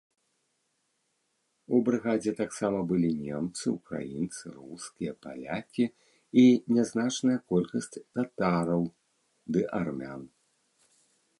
У брыгадзе таксама былі немцы, украінцы, рускія, палякі і нязначная колькасць татараў ды армян.